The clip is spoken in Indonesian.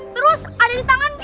terus ada di tangan